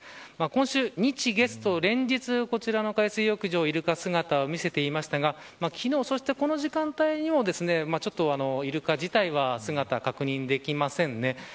今週、日、月と連日こちらの海水浴場にイルカは姿を見せていましたが昨日、この時間帯にもイルカの姿自体は確認できませんね。